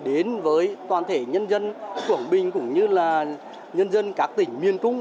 đến với toàn thể nhân dân quảng bình cũng như là nhân dân các tỉnh miền trung